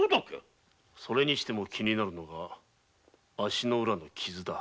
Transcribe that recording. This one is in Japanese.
それにしても気になるのが足の裏の傷だ。